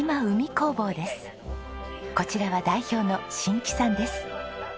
こちらは代表の新木さんです。